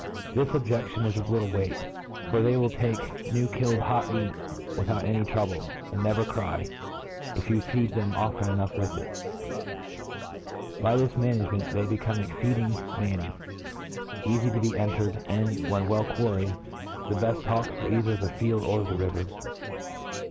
This objec tion is of little weight} for they will take new killed hot meat without any trouble, and never Cry, if you feed them often with it. By this ma nagement, they become exceeding manny, eafy to be entered, and, when well quarried, the beft hawks for cither the field or the river.